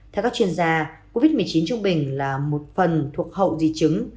theo các chuyên gia covid một mươi chín trung bình là một phần thuộc hậu di chứng